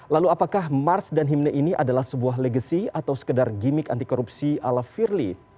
lalu apakah mars dan himne ini adalah sebuah legacy atau sekedar gimmick anti korupsi ala firly